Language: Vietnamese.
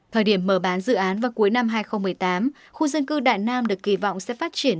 thời điểm mở bán dự án vào cuối năm hai nghìn một mươi tám khu dân cư đại nam được kỳ vọng sẽ phát triển